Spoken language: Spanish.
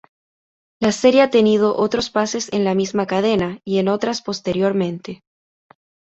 La serie ha tenido otros pases en la misma cadena y en otras posteriormente.